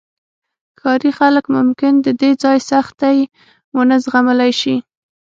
ښاري خلک ممکن د دې ځای سختۍ ونه زغملی شي